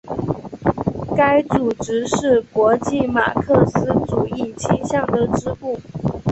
该组织是国际马克思主义倾向的支部。